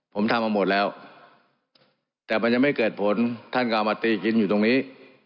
ผมทำมาหมดแล้วแต่มันยังไม่เกิดผลท่านก็เอามาตีกินอยู่ตรงนี้